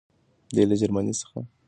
دی له جرمني څخه وځي.